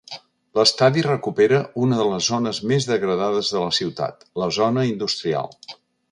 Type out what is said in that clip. L'estadi recupera una de les zones més degradades de la ciutat: la zona industrial.